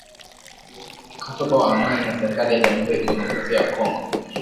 mkataba wa amani na serikali ya jamhuri ya kidemokrasia ya Kongo